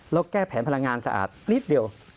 แล้วแก้แผนพลังงานสะอาดนิดเดียว